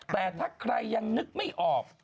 แต่ถ้าใครยังนึกไม่ออก